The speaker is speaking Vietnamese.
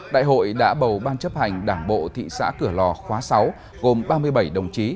đại hội đã bầu ban chấp hành đảng bộ thị xã cửa lò khóa sáu gồm ba mươi bảy đồng chí